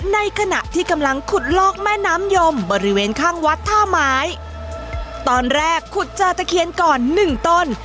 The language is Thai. ในขณะที่กำลังขุดลอกแม่น้ำยมบริเวณข้างวัดท่าไม้ตอนแรกขุดเจอตะเคียนก่อนหนึ่งต้น